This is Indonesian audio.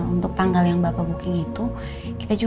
untuk tanggal yang bapak booking itu